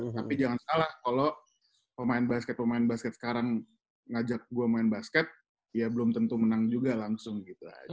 tapi jangan salah kalau pemain basket pemain basket sekarang ngajak gue main basket ya belum tentu menang juga langsung gitu aja